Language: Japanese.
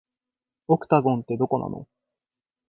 オクタゴンって、どこなの